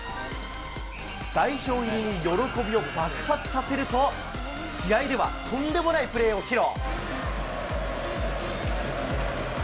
代表入りに喜びを爆発させると、試合ではとんでもないプレーを披露。